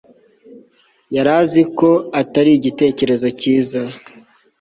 yari azi ko atari igitekerezo cyiza